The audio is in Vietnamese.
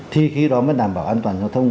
thì khi đó mới đảm bảo an toàn giao thông